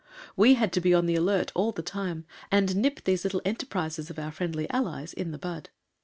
We had to be on the alert all the time and nip these little enterprises of our friendly Allies in the bud.